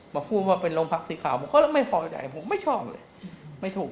มาพูดว่าเป็นโรงพักสีขาวผมก็ไม่พอใจผมไม่ชอบเลยไม่ถูก